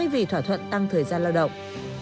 và thỏa thuận tăng thời gian lao động